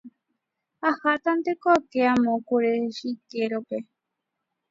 Ahátante ake amo kure chikérope.